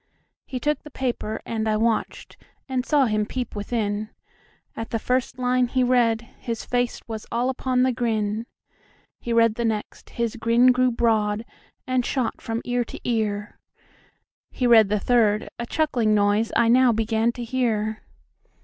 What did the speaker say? He took the paper, and I watched, And saw him peep within; At the first line he read, his faceWas all upon the grin. He read the next; the grin grew broad, And shot from ear to ear; He read the third; a chuckling noiseI now began to hear.